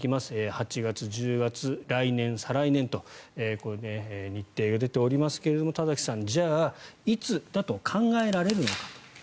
８月、１０月来年、再来年と日程が出ておりますが、田崎さんじゃあいつだと考えられるのか。